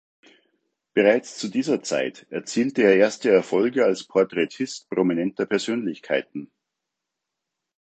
Bereits zu dieser Zeit erzielte er erste Erfolge als Porträtist prominenter Persönlichkeiten.